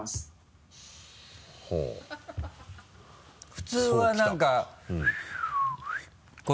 普通は何か［口笛］